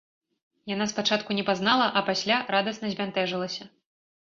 Яна спачатку не пазнала, а пасля радасна збянтэжылася.